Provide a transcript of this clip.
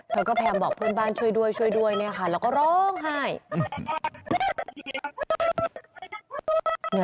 เธอก็แพรมบอกเพื่อนบ้านช่วยด้วยช่วยด้วยแล้วก็ร้องไห้